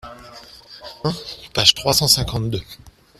un, page trois cent cinquante-deux).